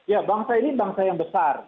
ya bangsa ini bangsa yang besar